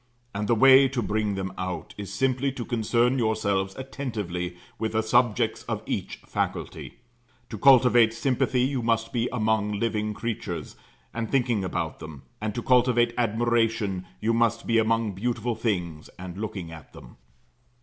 And the way to bring them out, is simply to concern yourselves attentively with the subjects of each faculty. To cultivate sympathy you must be among living creatures, and thinking about them; and to cultivate admiration, you must be among beautiful things and looking at them.